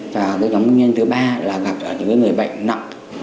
và cái nhóm nguyên nhân thứ ba là gặp ở những người bệnh nặng